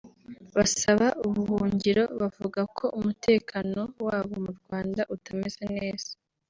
basaba ubuhungiro bavuga ko umutekano wabo mu Rwanda utameze neza